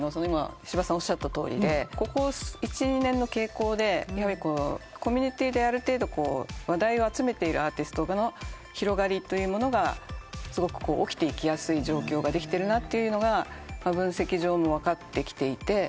柴さんおっしゃったとおりでここ１２年の傾向でコミュニティーである程度話題を集めているアーティストの広がりというものがすごく起きていきやすい状況ができてるなというのが分析上も分かってきていて。